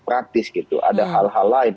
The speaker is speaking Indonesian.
praktis gitu ada hal hal lain